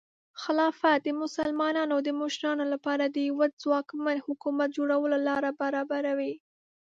خلافت د مسلمانانو د مشرانو لپاره د یوه ځواکمن حکومت جوړولو لاره برابروي.